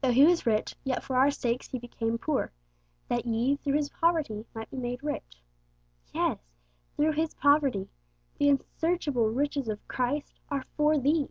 'Though He was rich, yet for our sakes He became poor, that ye through His poverty might be made rich.' Yes, 'through His poverty' the unsearchable riches of Christ are 'for thee.'